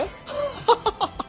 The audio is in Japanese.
ハハハハ！